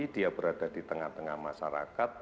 dia berada di tengah tengah masyarakat